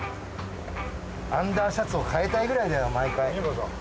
アンダーシャツを替えたいくらいだよ毎回。